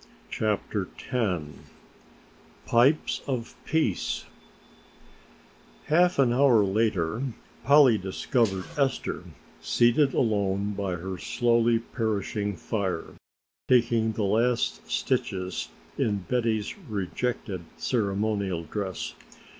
CHAPTER X PIPES OF PEACE Half an hour later Polly discovered Esther seated alone by her slowly perishing fire taking the last stitches in Betty's rejected ceremonial dress.